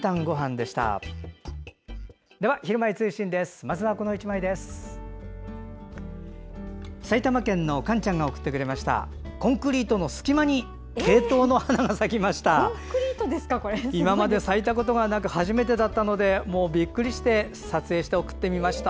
今まで咲いたことがなく初めてだったのでもうびっくりして撮影して送ってみました。